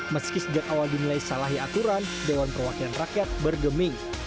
meski sejak awal dinilai salahi aturan dewan perwakilan rakyat bergeming